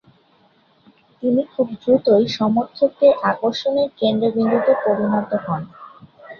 তিনি খুব দ্রুতই সমর্থকদের আকর্ষণের কেন্দ্র বিন্দুতে পরিণত হন।